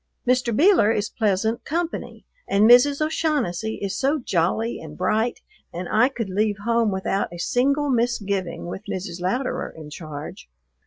Mr. Beeler is pleasant company, and Mrs. O'Shaughnessy is so jolly and bright, and I could leave home without a single misgiving with Mrs. Louderer in charge.